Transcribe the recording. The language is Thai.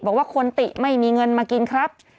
บอกว่าคนติไม่มีเงินมากินครับ